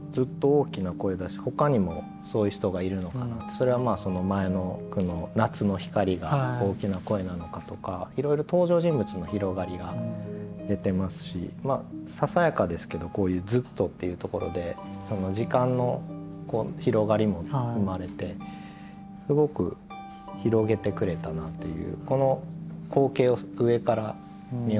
それは前の句の「夏の光」が「おおきなこえ」なのかとかいろいろささやかですけどこういう「ずっと」っていうところで時間の広がりも生まれてすごく広げてくれたなという。